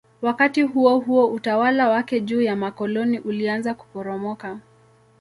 Wakati huohuo utawala wake juu ya makoloni ulianza kuporomoka.